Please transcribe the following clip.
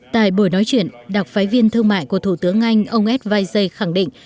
tại buổi nói chuyện đặc phái viên thương mại của thủ tướng anh ông ed vize khẳng định